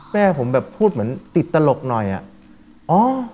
แม่ผมแบบพูดเหมือนติดตลกหน่อยอ่ะอ๋อ